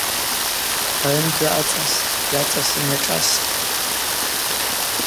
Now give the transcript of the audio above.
Арымдза ацӏастӏ, йацӏасын йашӏасхтӏ.